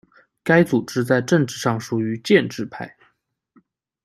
该组织在政治上属于建制派。